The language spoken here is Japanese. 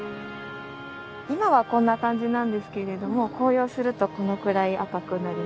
今はこんな感じなんですけれども紅葉するとこのくらい赤くなります。